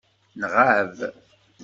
Nɣab.